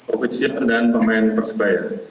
objek dan pemain persebaya